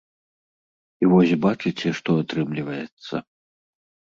І вось бачыце, што атрымліваецца.